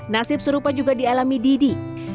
nasib serupa juga dialami didi